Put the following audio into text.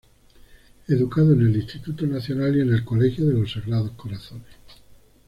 Educado en el Instituto Nacional y en el Colegio de los Sagrados Corazones.